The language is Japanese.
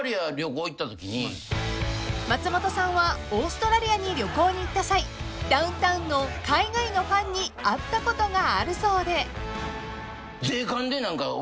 ［松本さんはオーストラリアに旅行に行った際ダウンタウンの海外のファンに会ったことがあるそうで］